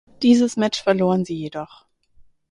Dieses Match verloren sie jedoch.